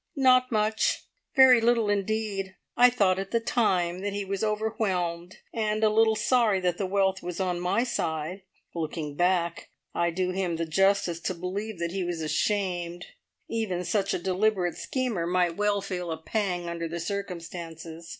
"Not much. Very little indeed. I thought at the time that he was overwhelmed, and a little sorry that the wealth was on my side. Looking back, I do him the justice to believe that he was ashamed! Even such a deliberate schemer might well feel a pang under the circumstances.